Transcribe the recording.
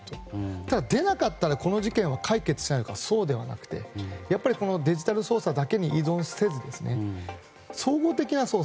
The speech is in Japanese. ただ、出なかったらこの事件は解決しないのかというとそうではなくてデジタル捜査だけに依存せず総合的な捜査。